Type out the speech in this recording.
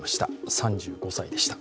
３５歳でした。